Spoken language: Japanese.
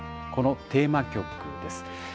このテーマ曲です。